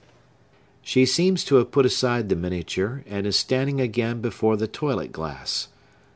She seems to have put aside the miniature, and is standing again before the toilet glass.